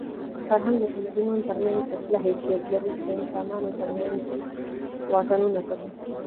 فرهنګ د تمدنونو ترمنځ د پله حیثیت لري چې د انسانانو ترمنځ واټنونه کموي.